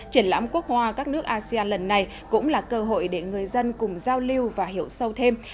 triển lãm quốc hoa các nước asean lần này cũng là cơ hội để người dân cùng giao lưu và hiểu sâu thêm